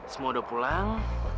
semua udah pulang